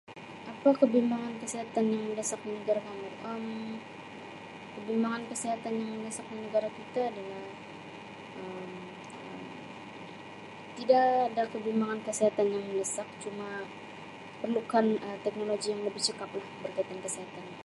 Apa kebimbangan kesihatan yang mendesak di negara kamu Um kebimbangan kesihatan yang mendesak di negara kita adalah Um tidak ada kebimbangan kesihatan yang mendesak cuma perlukan Um teknologi yang lebih cekap lah berkaitan kesihatan.